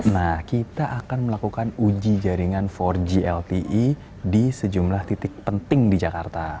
nah kita akan melakukan uji jaringan empat g lte di sejumlah titik penting di jakarta